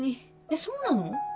えっそうなの？